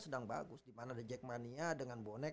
sedang bagus dimana ada jackmania dengan bonek